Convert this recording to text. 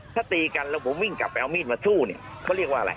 ถ้าตีกันแล้วผมวิ่งกลับไปเอามีดมาสู้เนี่ยเขาเรียกว่าอะไร